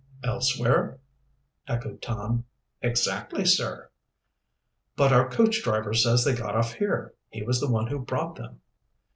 "Elsewhere?" echoed Tom. "Exactly, sir." "But our coach driver says they got off here. He was the one who brought them."